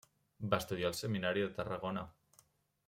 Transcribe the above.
Va estudiar al Seminari de Tarragona.